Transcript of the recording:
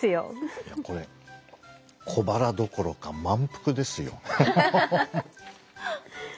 これ小腹どころか満腹ですよ。